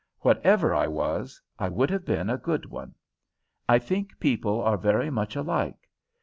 Whatever I was, I would have been a good one. I think people are very much alike.